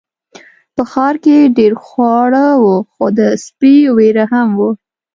په ښار کې ډیر خواړه وو خو د سپي ویره هم وه.